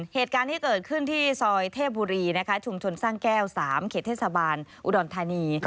เหตุการณ์ที่เกิดขึ้นที่ซอยเทพบุรีนะคะชุมชนสร้างแก้ว๓เขตเทศบาลอุดรธานี